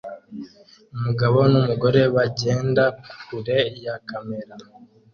Umugabo numugore bagenda kure ya kamera